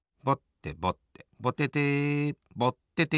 ぼててぼってて。